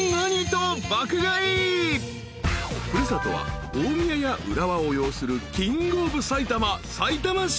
［古里は大宮や浦和を擁するキング・オブ・埼玉］